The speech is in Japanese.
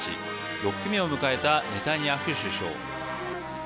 ６期目を迎えたネタニヤフ首相。